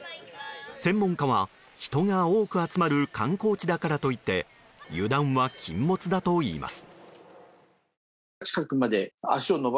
専門家は、人が多く集まる観光地だからといって油断は禁物だといいます。